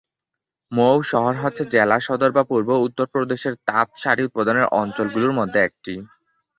মৌ শহর হচ্ছে জেলা সদর যা পূর্ব উত্তর প্রদেশের তাঁত শাড়ি উৎপাদনের অঞ্চলগুলোর মধ্যে একটি।